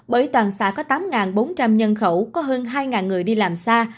bởi toàn xã có tám bốn trăm linh nhân khẩu có hơn hai người đi làm xa